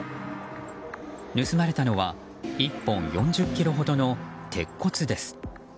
盗まれたのは１本４０ｋｇほどの鉄骨です。